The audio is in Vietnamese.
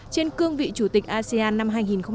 trên cương vị chủ tịch asean năm hai nghìn một mươi sáu